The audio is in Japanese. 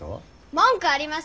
文句あります？